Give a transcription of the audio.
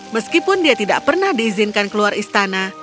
meskipun dia tidak pernah diizinkan keluar istana